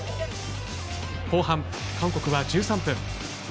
後半、韓国は１３分。